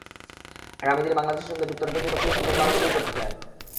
আগামী দিনে বাংলাদেশের সঙ্গে যুক্তরাজ্য দ্বিপক্ষীয় সম্পর্ক আরও নিবিড় করতে চায়।